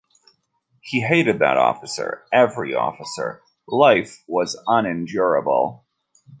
He hated that officer, every officer; life was unendurable.